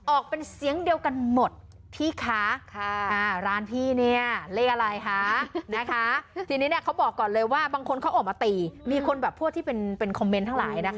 ออกเป็นเสียงเดียวกันหมดที่ค้าค่ะอ่าร้านพี่เนี้ย